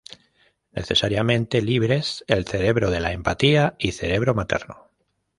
Necesariamente libres", "El cerebro de la empatía" y "Cerebro materno.